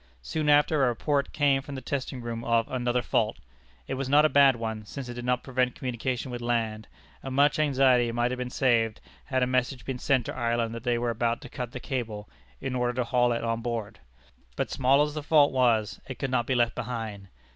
Soon after a report came from the testing room of "another fault." It was not a bad one, since it did not prevent communication with land; and much anxiety might have been saved had a message been sent to Ireland that they were about to cut the cable, in order to haul it on board. But small as the fault was, it could not be left behind.